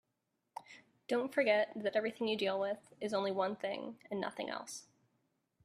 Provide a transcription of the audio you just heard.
Don't forget that everything you deal with is only one thing and nothing else.